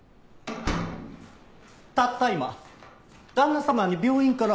たった今旦那様に病院から郵便物が。